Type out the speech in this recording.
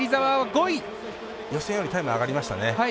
予選よりタイム上がりましたね。